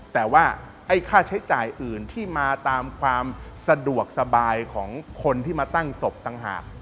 แต่ว่าไอ้ค่าใช้จ่ายอื่นที่มาตามความสะดวกสบายของคนที่มาตั้งศพต่างหาก